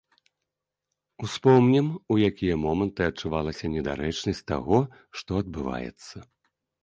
Успомнім, у якія моманты адчувалася недарэчнасць таго, што адбываецца.